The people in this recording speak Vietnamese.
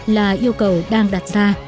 là yêu cầu đang đặt ra